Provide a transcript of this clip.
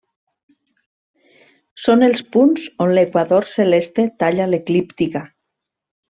Són els punts on l'equador celeste talla l'eclíptica.